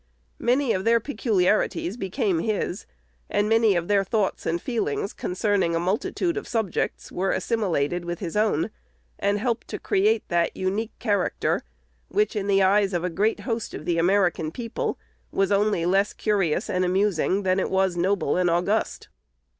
Many of their peculiarities became his; and many of their thoughts and feelings concerning a multitude of subjects were assimilated with his own, and helped to create that unique character, which, in the eyes of a great host of the American people, was only less curious and amusing than it was noble and august.